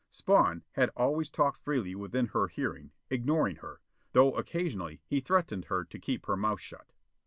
Spawn, had always talked freely within her hearing, ignoring her, though occasionally he threatened her to keep her mouth shut.